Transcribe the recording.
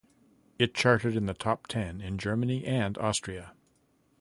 It charted in the top ten in Germany and Austria.